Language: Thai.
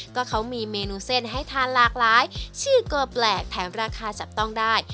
ก็เขามีเมนูเส้นให้ทานหลากหลายชื่อก็แปลกแถมราคาจับต้องได้